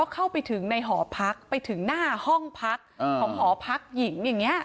เข้าไปถึงในหอพักไปถึงหน้าห้องพักของหอพักหญิงอย่างนี้